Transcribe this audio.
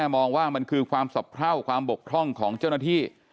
มองว่ามันคือความสะเพราความบกพร่องของเจ้าหน้าที่